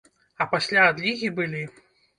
А пасля адлігі былі.